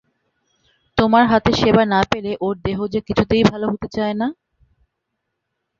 তোমার হাতের সেবা না পেলে ওর দেহ যে কিছুতেই ভালো হতে চায় না।